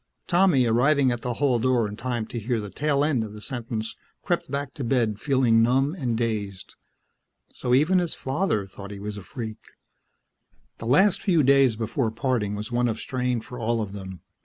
Tommy, arriving at the hall door in time to hear the tail end of the sentence, crept back to bed feeling numb and dazed. So even his father thought he was a freak. The last few days before parting was one of strain for all of them.